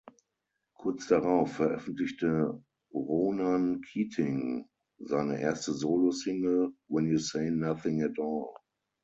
Kurz darauf veröffentlichte Ronan Keating seine erste Solo-Single "When You Say Nothing at All".